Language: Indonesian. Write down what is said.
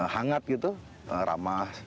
hangat gitu ramah